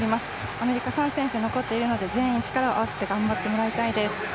アメリカ３選手残っているので、全員力を合わせて頑張ってもらいたいです。